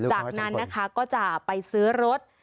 จากนั้นนะคะก็จะไปซื้อรถ